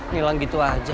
nilang gitu aja